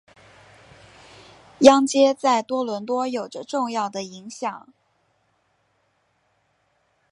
央街在多伦多有着重要的影响。